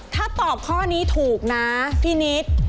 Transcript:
ถ้าตอบข้อนี้ถูกนะพี่นิด